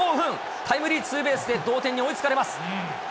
タイムリーツーベースで同点に追いつかれます。